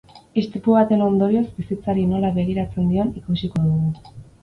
Istripu baten ondorioz bizitzari nola begiratzen dion ikusiko dugu.